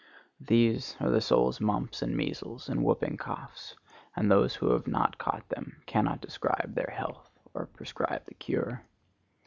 These are the soul's mumps and measles and whooping coughs, and those who have not caught them cannot describe their health or prescribe the cure.